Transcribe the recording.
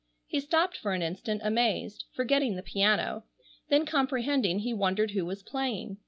He stopped for an instant amazed, forgetting the piano, then comprehending he wondered who was playing.